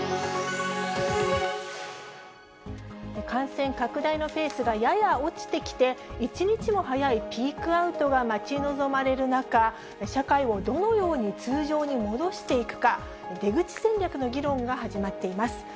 感染拡大のペースがやや落ちてきて、一日も早いピークアウトが待ち望まれる中、社会をどのように通常に戻していくか、出口戦略の議論が始まっています。